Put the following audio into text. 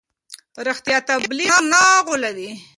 رښتیا تبلیغ نه غولوي.